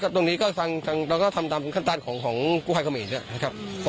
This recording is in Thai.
ตรงนี้ก็ทำตามขั้นต้านของกู้ไพของเขาเอง